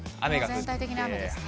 全体的に雨ですね。